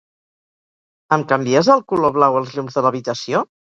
Em canvies al color blau els llums de l'habitació?